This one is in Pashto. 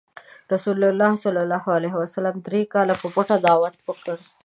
رسول الله ﷺ دری کاله په پټه دعوت وکړ.